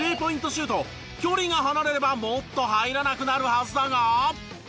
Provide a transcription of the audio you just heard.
距離が離れればもっと入らなくなるはずだが。